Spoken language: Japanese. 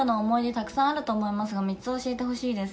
たくさんあると思いますが、３つ教えてほしいです。